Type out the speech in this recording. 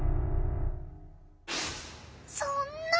そんな！